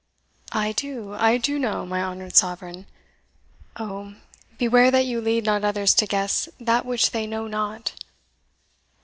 "I do I do know, my honoured sovereign. Oh, beware that you lead not others to guess that which they know not!"